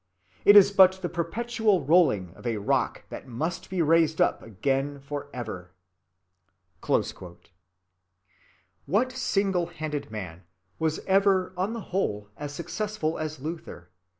It is but the perpetual rolling of a rock that must be raised up again forever." What single‐handed man was ever on the whole as successful as Luther?